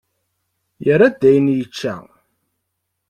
Yerra-d ayen i yečča.